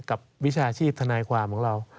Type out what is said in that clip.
วิชาชีพทนายความของเรา